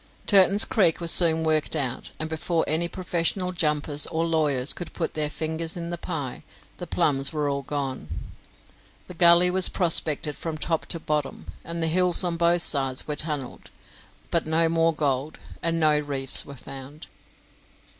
Turton's Creek was soon worked out, and before any professional jumpers or lawyers could put their fingers in the pie, the plums were all gone. The gully was prospected from top to bottom, and the hills on both sides were tunnelled, but no more gold, and no reefs were found.